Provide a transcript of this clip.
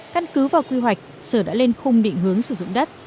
căn cứ vào quy hoạch sở đã lên khung định hướng sử dụng đất